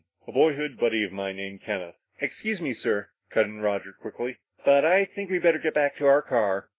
A boyhood buddy of mine named Kenneth " "Excuse me, sir," cut in Roger quickly, "but I think we'd better get back to our car.